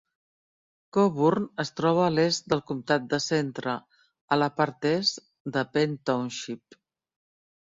Coburn es troba a l'est del comptat de Centre, a la part est de Penn Township.